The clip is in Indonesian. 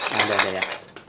nah udah udah ya